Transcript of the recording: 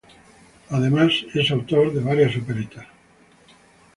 Además es autor de varias operetas.